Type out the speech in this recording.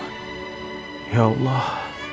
hab' maaction pada allah